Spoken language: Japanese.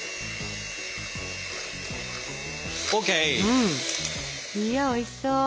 うん。いやおいしそう。